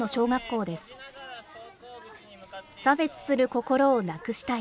差別する心をなくしたい。